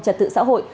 trật tự xã hội